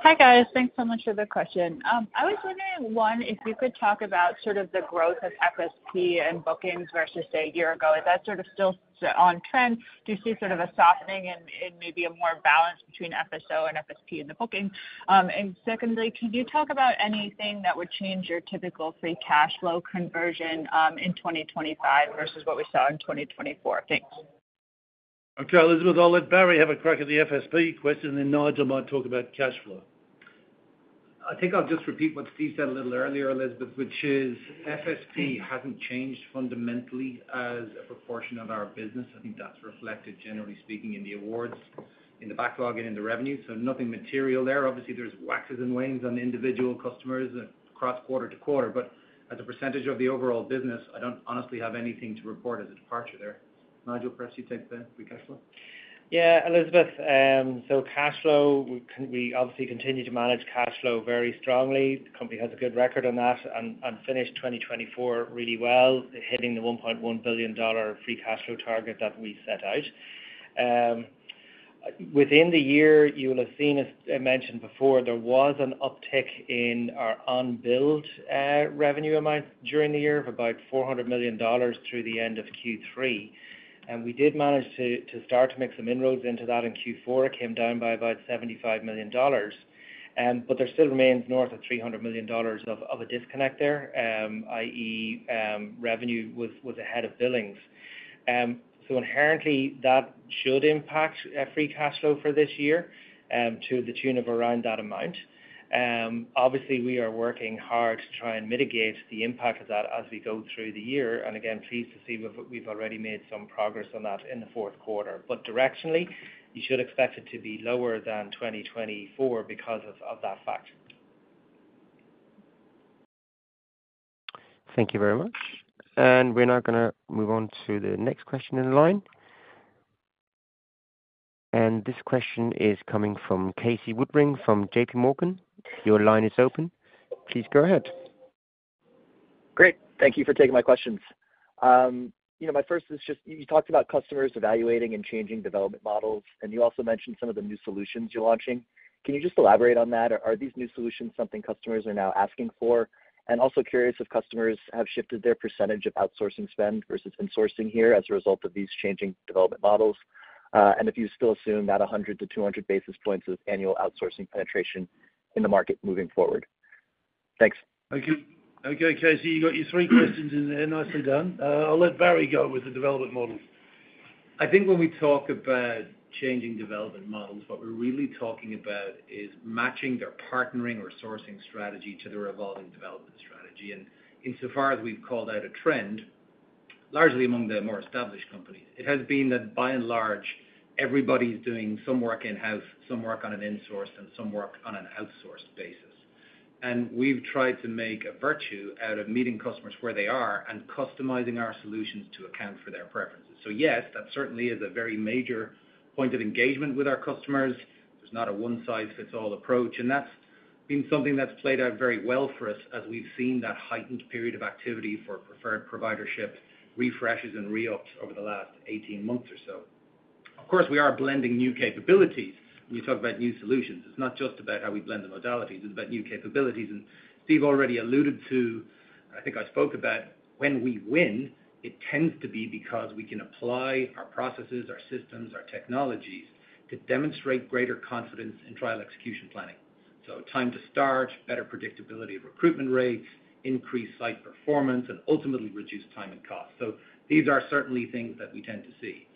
Hi guys. Thanks so much for the question. I was wondering, one, if you could talk about sort of the growth of FSP and bookings versus a year ago. Is that sort of still on trend? Do you see sort of a softening and maybe a more balance between FSO and FSP in the booking? And secondly, can you talk about anything that would change your typical free cash flow conversion in 2025 versus what we saw in 2024? Thanks. Okay, Elizabeth, I'll let Barry have a crack at the FSP question, and Nigel might talk about cash flow. I think I'll just repeat what Steve said a little earlier, Elizabeth, which is FSP hasn't changed fundamentally as a proportion of our business. I think that's reflected, generally speaking, in the awards, in the backlog, and in the revenue. So nothing material there. Obviously, there's waxes and wanes on individual customers across quarter to quarter. But as a percentage of the overall business, I don't honestly have anything to report as a departure there. Nigel, perhaps you take the free cash flow. Yeah, Elizabeth. So, cash flow, we obviously continue to manage cash flow very strongly. The company has a good record on that and finished 2024 really well, hitting the $1.1 billion free cash flow target that we set out. Within the year, you will have seen, as I mentioned before, there was an uptick in our unbilled revenue amounts during the year of about $400 million through the end of Q3, and we did manage to start to make some inroads into that in Q4. It came down by about $75 million, but there still remains north of $300 million of a disconnect there, i.e., revenue was ahead of billings, so inherently, that should impact free cash flow for this year to the tune of around that amount. Obviously, we are working hard to try and mitigate the impact of that as we go through the year. And again, pleased to see we've already made some progress on that in the fourth quarter. But directionally, you should expect it to be lower than 2024 because of that fact. Thank you very much. And we're now going to move on to the next question in the line. And this question is coming from Casey Woodring from J.P. Morgan. Your line is open. Please go ahead. Great. Thank you for taking my questions. My first is just you talked about customers evaluating and changing development models, and you also mentioned some of the new solutions you're launching. Can you just elaborate on that? Are these new solutions something customers are now asking for? And also curious if customers have shifted their percentage of outsourcing spend versus insourcing here as a result of these changing development models, and if you still assume that 100 to 200 basis points of annual outsourcing penetration in the market moving forward. Thanks. Okay. Okay. Casey, you got your three questions in there. Nicely done. I'll let Barry go with the development model. I think when we talk about changing development models, what we're really talking about is matching their partnering or sourcing strategy to their evolving development strategy. And insofar as we've called out a trend, largely among the more established companies, it has been that by and large, everybody's doing some work in-house, some work on an insourced, and some work on an outsourced basis. And we've tried to make a virtue out of meeting customers where they are and customizing our solutions to account for their preferences. So yes, that certainly is a very major point of engagement with our customers. There's not a one-size-fits-all approach. And that's been something that's played out very well for us as we've seen that heightened period of activity for preferred providership refreshes and re-ups over the last 18 months or so. Of course, we are blending new capabilities when you talk about new solutions. It's not just about how we blend the modalities. It's about new capabilities. And Steve already alluded to, I think I spoke about, when we win, it tends to be because we can apply our processes, our systems, our technologies to demonstrate greater confidence in trial execution planning. So time to start, better predictability of recruitment rates, increased site performance, and ultimately reduced time and cost. So these are certainly things that we tend to see.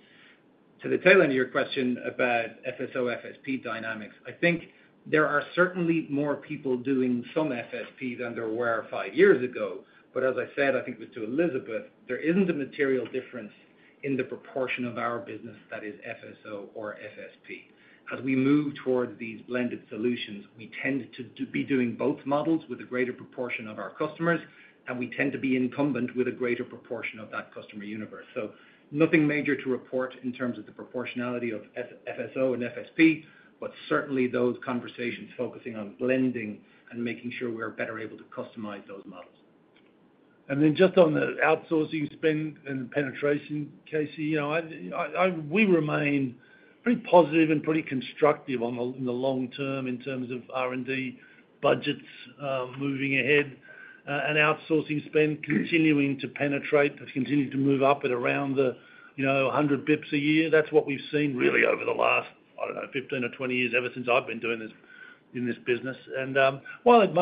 To the tail end of your question about FSO-FSP dynamics, I think there are certainly more people doing some FSP than there were five years ago. But as I said, I think it was to Elizabeth, there isn't a material difference in the proportion of our business that is FSO or FSP. As we move towards these blended solutions, we tend to be doing both models with a greater proportion of our customers, and we tend to be incumbent with a greater proportion of that customer universe, so nothing major to report in terms of the proportionality of FSO and FSP, but certainly those conversations focusing on blending and making sure we're better able to customize those models. Then just on the outsourcing spend and the penetration, Casey, we remain pretty positive and pretty constructive in the long term in terms of R&D budgets moving ahead and outsourcing spend continuing to penetrate, continue to move up at around the 100 basis points a year. That's what we've seen really over the last, I don't know, 15 or 20 years ever since I've been doing this in this business. And while it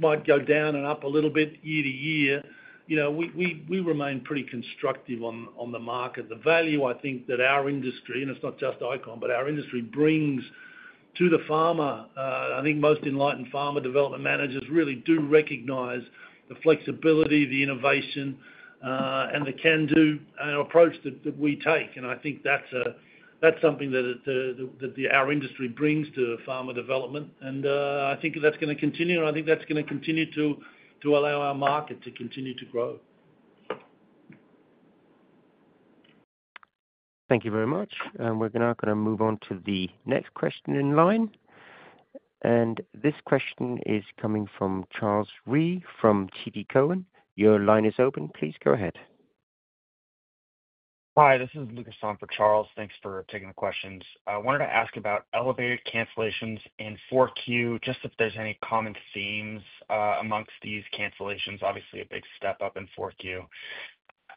might go down and up a little bit year to year, we remain pretty constructive on the market. The value, I think, that our industry, and it's not just ICON, but our industry brings to pharma, I think most enlightened pharma development managers really do recognize the flexibility, the innovation, and the can-do approach that we take. And I think that's something that our industry brings to pharma development. I think that's going to continue to allow our market to continue to grow. Thank you very much. And we're now going to move on to the next question in line. And this question is coming from Charles Rhee from TD Cowen. Your line is open. Please go ahead. Hi, this is Charles Rhee from TD Cowen. Thanks for taking the questions. I wanted to ask about elevated cancellations in 4Q, just if there's any common themes amongst these cancellations? Obviously, a big step up in 4Q,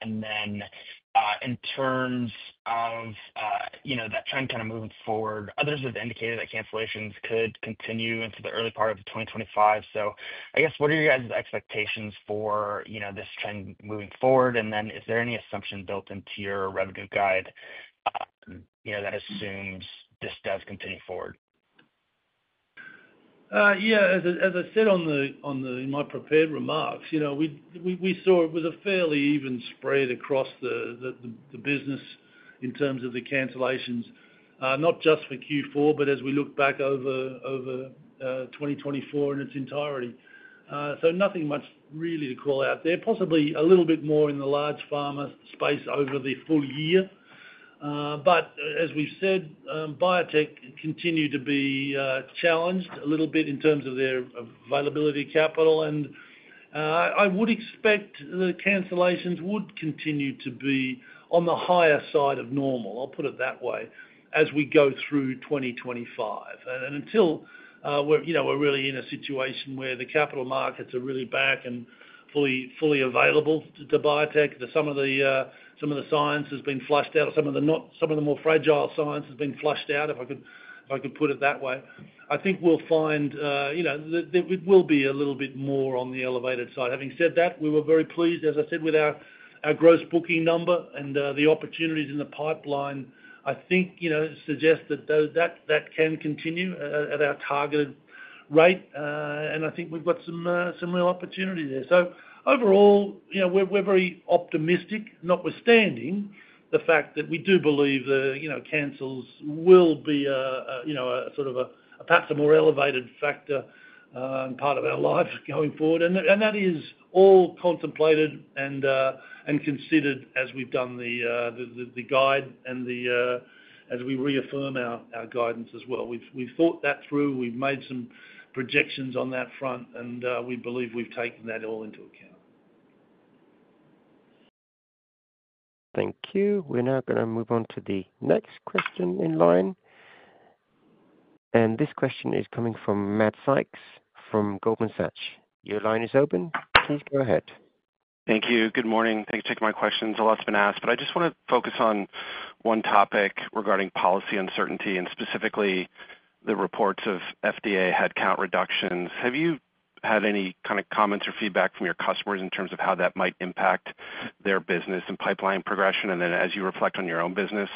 and then in terms of that trend kind of moving forward, others have indicated that cancellations could continue into the early part of 2025, so I guess what are your guys' expectations for this trend moving forward? And then is there any assumption built into your revenue guide that assumes this does continue forward? Yeah. As I said in my prepared remarks, we saw it was a fairly even spread across the business in terms of the cancellations, not just for Q4, but as we look back over 2024 in its entirety. So nothing much really to call out there. Possibly a little bit more in the large pharma space over the full year. But as we've said, biotechs continue to be challenged a little bit in terms of their available capital. And I would expect the cancellations would continue to be on the higher side of normal, I'll put it that way, as we go through 2025. And until we're really in a situation where the capital markets are really back and fully available to biotechs, some of the science has been flushed out, some of the more fragile science has been flushed out, if I could put it that way. I think we'll find there will be a little bit more on the elevated side. Having said that, we were very pleased, as I said, with our gross booking number and the opportunities in the pipeline. I think it suggests that that can continue at our targeted rate. And I think we've got some real opportunity there. So overall, we're very optimistic, notwithstanding the fact that we do believe the cancels will be a sort of, perhaps, a more elevated factor and part of our life going forward. And that is all contemplated and considered as we've done the guide and as we reaffirm our guidance as well. We've thought that through. We've made some projections on that front, and we believe we've taken that all into account. Thank you. We're now going to move on to the next question in line. And this question is coming from Matt Sykes from Goldman Sachs. Your line is open. Please go ahead. Thank you. Good morning. Thanks for taking my questions. A lot's been asked, but I just want to focus on one topic regarding policy uncertainty and specifically the reports of FDA headcount reductions. Have you had any kind of comments or feedback from your customers in terms of how that might impact their business and pipeline progression? And then as you reflect on your own business,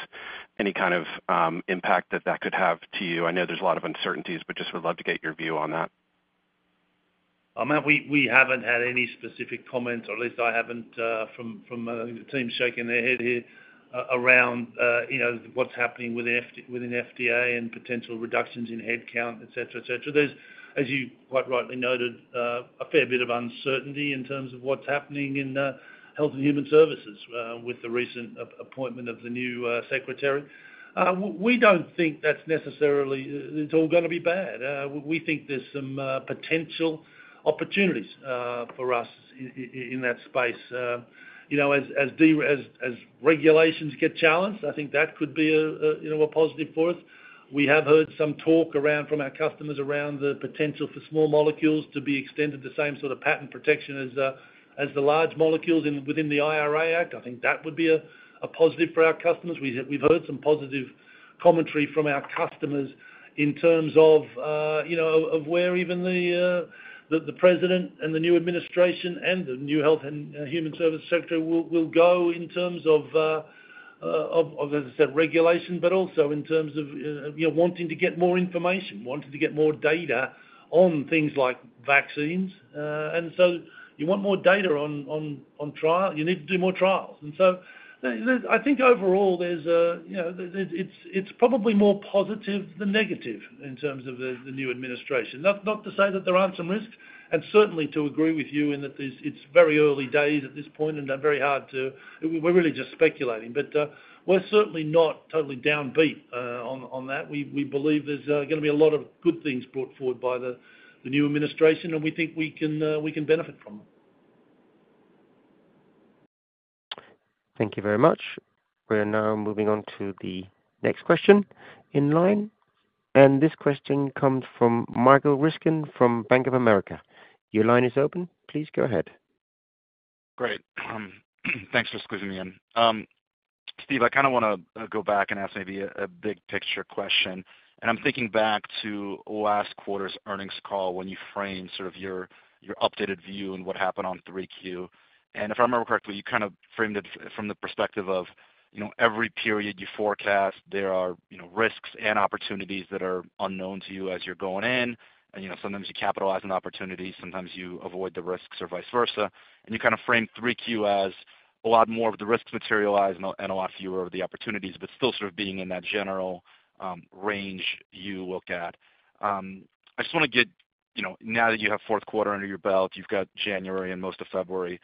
any kind of impact that that could have to you? I know there's a lot of uncertainties, but just would love to get your view on that. Matt, we haven't had any specific comments, or at least I haven't, from the team shaking their head here around what's happening within FDA and potential reductions in headcount, etc., etc. There's, as you quite rightly noted, a fair bit of uncertainty in terms of what's happening in Health and Human Services with the recent appointment of the new secretary. We don't think that's necessarily it's all going to be bad. We think there's some potential opportunities for us in that space. As regulations get challenged, I think that could be a positive for us. We have heard some talk around from our customers around the potential for small molecules to be extended the same sort of patent protection as the large molecules within the IRA Act. I think that would be a positive for our customers. We've heard some positive commentary from our customers in terms of where even the President and the new administration and the new Health and Human Services Secretary will go in terms of, as I said, regulation, but also in terms of wanting to get more information, wanting to get more data on things like vaccines. And so you want more data on trial. You need to do more trials. And so I think overall, it's probably more positive than negative in terms of the new administration. Not to say that there aren't some risks. And certainly, to agree with you in that it's very early days at this point and very hard to, we're really just speculating. But we're certainly not totally downbeat on that. We believe there's going to be a lot of good things brought forward by the new administration, and we think we can benefit from them. Thank you very much. We're now moving on to the next question in line. And this question comes from Michael Ryskin from Bank of America. Your line is open. Please go ahead. Great. Thanks for squeezing me in. Steve, I kind of want to go back and ask maybe a big picture question. And I'm thinking back to last quarter's earnings call when you framed sort of your updated view and what happened on 3Q. And if I remember correctly, you kind of framed it from the perspective of every period you forecast, there are risks and opportunities that are unknown to you as you're going in. And sometimes you capitalize on opportunities. Sometimes you avoid the risks or vice versa. And you kind of framed 3Q as a lot more of the risks materialize and a lot fewer of the opportunities, but still sort of being in that general range you look at. I just want to get now that you have fourth quarter under your belt, you've got January and most of February.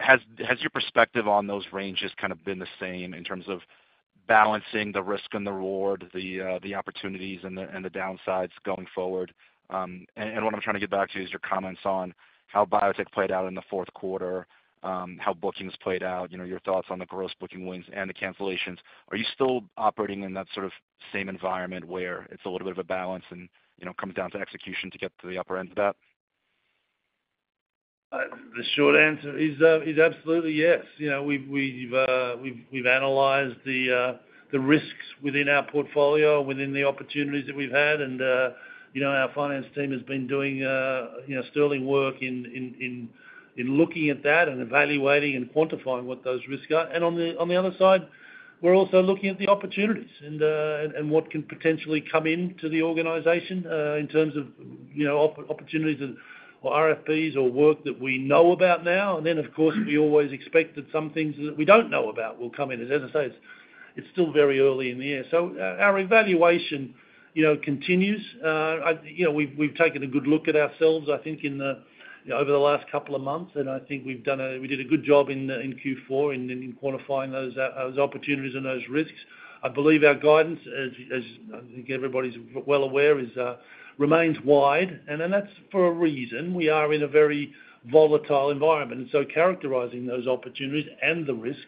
Has your perspective on those ranges kind of been the same in terms of balancing the risk and the reward, the opportunities and the downsides going forward? And what I'm trying to get back to is your comments on how biotech played out in the fourth quarter, how bookings played out, your thoughts on the gross booking wins and the cancellations. Are you still operating in that sort of same environment where it's a little bit of a balance and comes down to execution to get to the upper end of that? The short answer is absolutely yes. We've analyzed the risks within our portfolio, within the opportunities that we've had, and our finance team has been doing sterling work in looking at that and evaluating and quantifying what those risks are, and on the other side, we're also looking at the opportunities and what can potentially come into the organization in terms of opportunities or RFPs or work that we know about now, and then, of course, we always expect that some things that we don't know about will come in. As I say, it's still very early in the year, so our evaluation continues. We've taken a good look at ourselves, I think, over the last couple of months, and I think we did a good job in Q4 in quantifying those opportunities and those risks. I believe our guidance, as I think everybody's well aware, remains wide. That's for a reason. We are in a very volatile environment. Characterizing those opportunities and the risks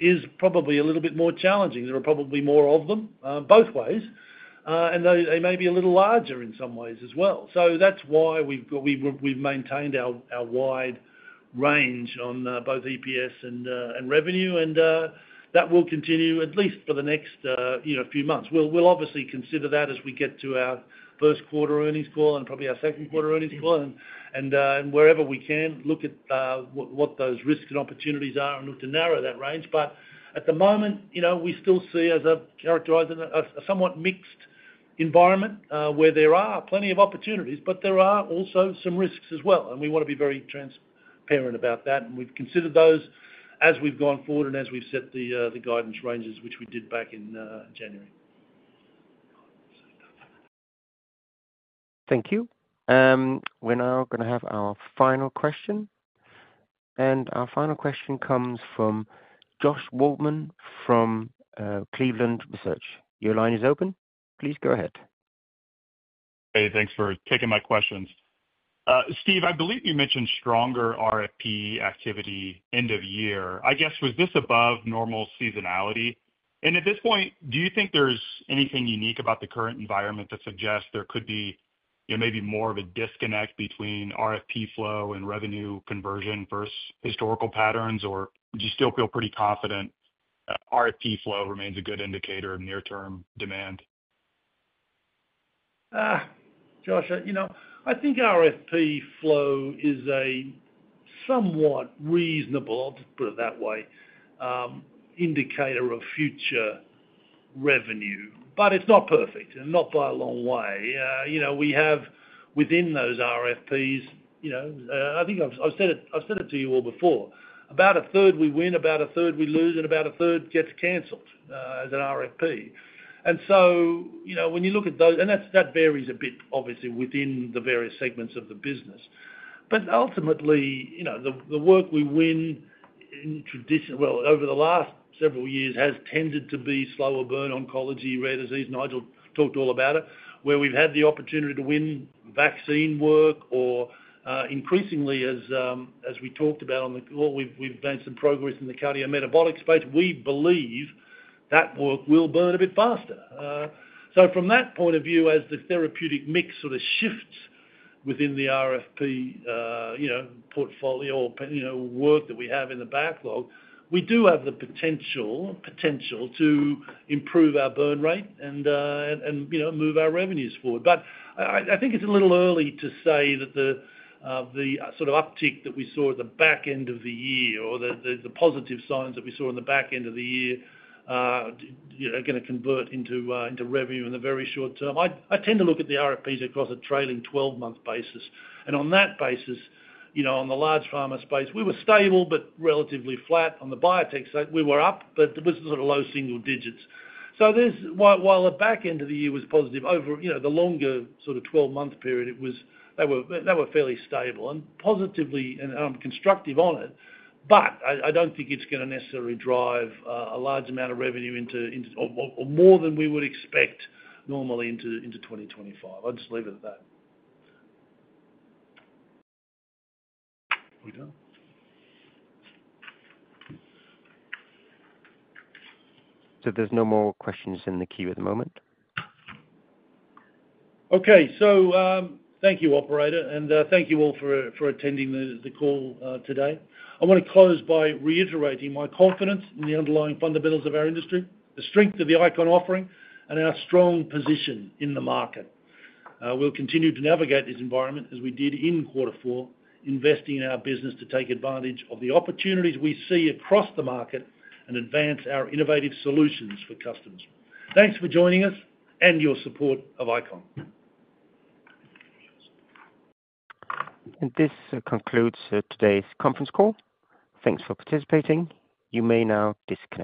is probably a little bit more challenging. There are probably more of them both ways. They may be a little larger in some ways as well. That's why we've maintained our wide range on both EPS and revenue. That will continue at least for the next few months. We'll obviously consider that as we get to our first quarter earnings call and probably our second quarter earnings call. Wherever we can, look at what those risks and opportunities are and look to narrow that range. At the moment, we still see, as I characterize it, a somewhat mixed environment where there are plenty of opportunities, but there are also some risks as well. We want to be very transparent about that. We've considered those as we've gone forward and as we've set the guidance ranges, which we did back in January. Thank you. We're now going to have our final question. And our final question comes from Josh Waldman from Cleveland Research. Your line is open. Please go ahead. Hey, thanks for taking my questions. Steve, I believe you mentioned stronger RFP activity end of year. I guess, was this above normal seasonality? And at this point, do you think there's anything unique about the current environment that suggests there could be maybe more of a disconnect between RFP flow and revenue conversion versus historical patterns? Or do you still feel pretty confident RFP flow remains a good indicator of near-term demand? Josh, I think RFP flow is a somewhat reasonable. I'll just put it that way, indicator of future revenue. It is not perfect and not by a long way. We have within those RFPs, I think I've said it to you all before, about a third we win, about a third we lose, and about a third gets canceled as an RFP. When you look at those, that varies a bit, obviously, within the various segments of the business. Ultimately, the work we win in traditional, well, over the last several years has tended to be slower burn oncology, rare disease. Nigel talked all about it, where we've had the opportunity to win vaccine work. Increasingly, as we talked about on the call, we've made some progress in the cardiometabolic space. We believe that work will burn a bit faster. So from that point of view, as the therapeutic mix sort of shifts within the RFP portfolio or work that we have in the backlog, we do have the potential to improve our burn rate and move our revenues forward. But I think it's a little early to say that the sort of uptick that we saw at the back end of the year or the positive signs that we saw in the back end of the year are going to convert into revenue in the very short term. I tend to look at the RFPs across a trailing 12-month basis. And on that basis, on the large pharma space, we were stable but relatively flat. On the biotech side, we were up, but it was sort of low single digits. So while the back end of the year was positive, over the longer sort of 12-month period, they were fairly stable and positively and constructive on it. But I don't think it's going to necessarily drive a large amount of revenue into or more than we would expect normally into 2025. I'll just leave it at that. Are we done? So there's no more questions in the queue at the moment. Okay, so thank you, operator, and thank you all for attending the call today. I want to close by reiterating my confidence in the underlying fundamentals of our industry, the strength of the ICON offering, and our strong position in the market. We'll continue to navigate this environment as we did in quarter four, investing in our business to take advantage of the opportunities we see across the market and advance our innovative solutions for customers. Thanks for joining us and your support of ICON. This concludes today's conference call. Thanks for participating. You may now disconnect.